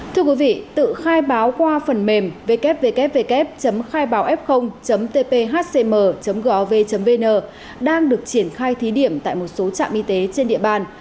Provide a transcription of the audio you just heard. thưa quý vị tự khai báo qua phần mềm www khaibaof tphcm gov vn đang được triển khai thí điểm tại một số trạm y tế trên địa bàn